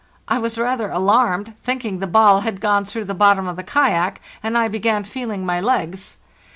I was rather alarmed, thinking the ball had gone through the bottom of the kayak, and I began feeling my legs.